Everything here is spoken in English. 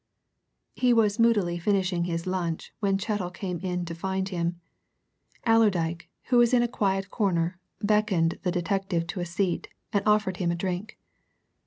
He was moodily finishing his lunch when Chettle came in to find him. Allerdyke, who was in a quiet corner, beckoned the detective to a seat, and offered him a drink.